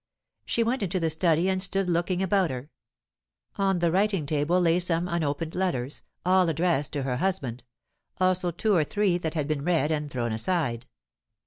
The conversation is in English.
She went into the study, and stood looking about her. On the writing table lay some unopened letters, all addressed to her husband; also two or three that had been read and thrown aside.